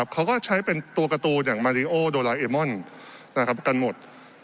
เขาก็ใช้เป็นตัวการ์ตูนอย่างมาริโอโดราเอมอนกันหมด